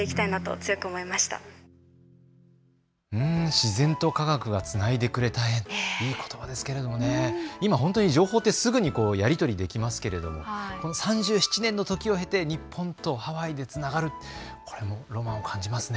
自然と科学がつないでくれた縁、いいことなんですけども今、情報ってすぐにやり取りできますけども３７年の時を経て、日本とハワイでつながる、ロマンを感じますね。